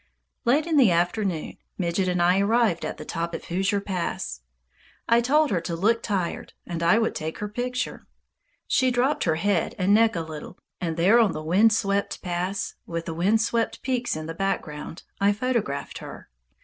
Late in the afternoon, Midget and I arrived at the top of Hoosier Pass. I told her to look tired and I would take her picture. She dropped her head and neck a little, and there on the wind swept pass, with the wind swept peaks in the background, I photographed her.